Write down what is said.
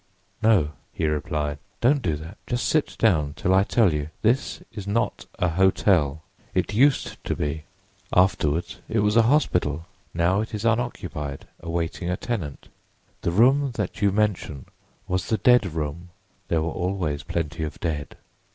"'No,' he replied, 'don't do that; just sit down till I tell you. This is not a hotel. It used to be; afterward it was a hospital. Now it is unoccupied, awaiting a tenant. The room that you mention was the dead room—there were always plenty of dead.